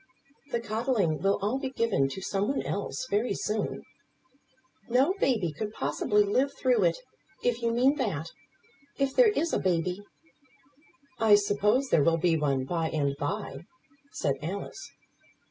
"The coddling will all be given to some one else, very soon." "No baby could possibly live through it, if you mean that. If there is a baby " "I suppose there will be one, by and by," said Alice.